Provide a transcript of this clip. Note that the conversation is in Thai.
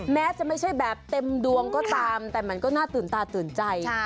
แม้จะไม่ใช่แบบเต็มดวงก็ตามแต่มันก็น่าตื่นตาตื่นใจ